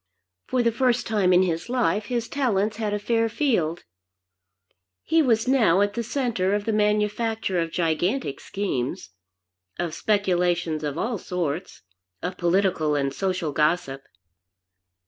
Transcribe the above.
For the first time in his life his talents had a fair field. He was now at the centre of the manufacture of gigantic schemes, of speculations of all sorts, of political and social gossip.